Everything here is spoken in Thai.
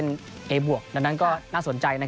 ก็จะเมื่อวันนี้ตอนหลังจดเกม